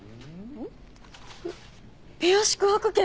ペア宿泊券！